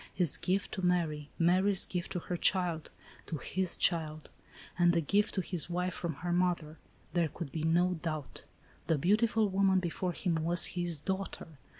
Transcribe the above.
His gift to Mary; Mary's gift to her child; to his child; and a gift to his wife from her mother. There could be no doubt. The beautiful woman before him was his daughter